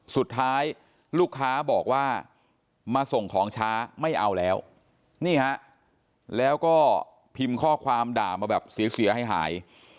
สุดท้ายลูกค้าบอกว่ามาส่งของช้าไม่เอาแล้วนี่ฮะแล้วก็พิมพ์ข้อความด่ามาแบบเสียหาย